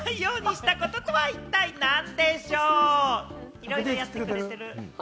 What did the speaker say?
いろいろやってくれてる。